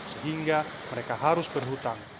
sehingga mereka harus berhutang